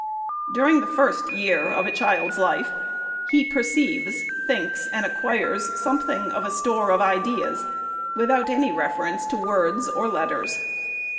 During the first year of a child's life, he perceives, thinks, and acquires something of a store of ideas, with out any reference to word or letters.